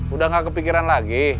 udah gak kepikiran lagi